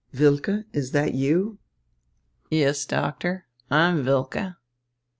"Wilke, is that you?" "Yes, Doctor, I'm Wilke."